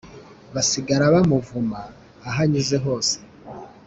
Basigara bamuvuma aho anyuze hose